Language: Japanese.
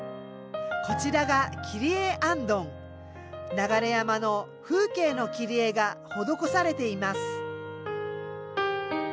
流山の風景の切り絵が施されています。